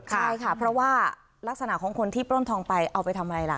ใช่ค่ะเพราะว่ารักษณะของคนที่ปล้นทองไปเอาไปทำอะไรล่ะ